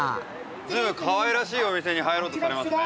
随分かわいらしいお店に入ろうとされますね。